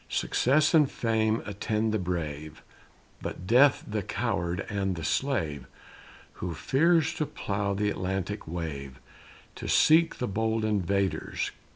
Success and fame attend the brave, But death the coward and the slave, Who fears to plough the Atlantic wave, To seek the bold invaders.